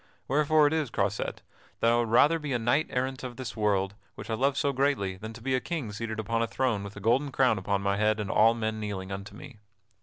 Wherefore it is, Croisette, that I would rather be a knight errant in this world which I love so greatly than to be a king seated upon a throne with a golden crown upon my head and all men kneeling unto me.